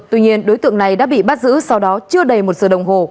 tuy nhiên đối tượng này đã bị bắt giữ sau đó chưa đầy một giờ đồng hồ